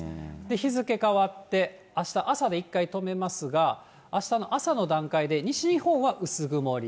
日付変わって、あした雨、一回止めますが、あしたの朝の段階で、西日本は薄曇り。